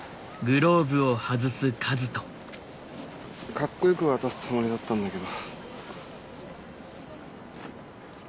カッコ良く渡すつもりだったんだけど。